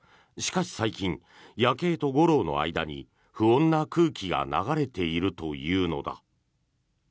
しかし最近ヤケイとゴローの間に不穏な空気が流れているというのだ。